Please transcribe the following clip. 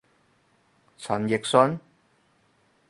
陳奕迅？